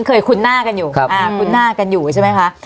คุ้นหน้ากันอยู่ครับคุ้นหน้ากันอยู่ใช่ไหมคะ